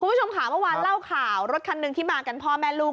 คุณผู้ชมค่ะเมื่อวานเล่าข่าวรถคันหนึ่งที่มากันพ่อแม่ลูก